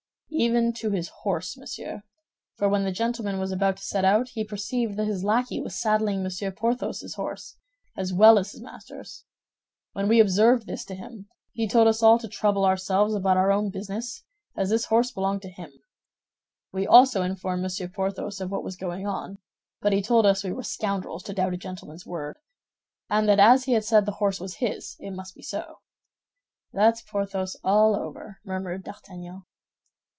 "Even to his horse, monsieur; for when the gentleman was about to set out, we perceived that his lackey was saddling Monsieur Porthos's horse, as well as his master's. When we observed this to him, he told us all to trouble ourselves about our own business, as this horse belonged to him. We also informed Monsieur Porthos of what was going on; but he told us we were scoundrels to doubt a gentleman's word, and that as he had said the horse was his, it must be so." "That's Porthos all over," murmured D'Artagnan.